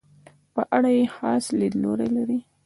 په اړه یې خاص لیدلوری لري.